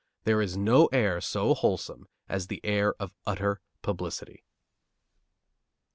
There is no air so wholesome as the air of utter publicity.